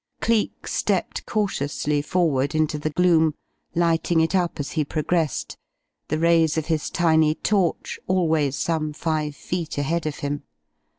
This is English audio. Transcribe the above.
Cleek stepped cautiously forward into the gloom, lighting it up as he progressed, the rays of his tiny torch always some five feet ahead of him.